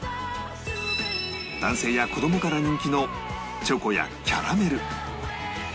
男性や子供から人気のチョコやキャラメル